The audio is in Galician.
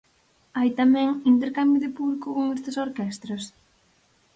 Hai tamén, intercambio de público con estas orquestras?